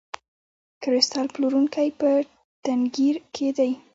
کریستال پلورونکی په تنګیر کې دی.